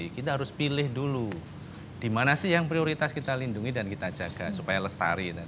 kita harus pilih dulu di mana sih yang prioritas kita lindungi dan kita jaga supaya lestari